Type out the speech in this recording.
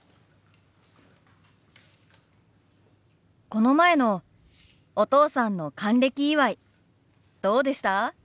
この前のお父さんの還暦祝どうでした？